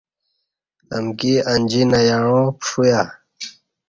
امکی انجی نہ یعاں پݜویہ